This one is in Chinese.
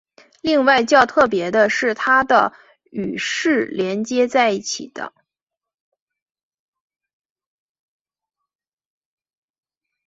另外较特别的是它的与是连接在一起的。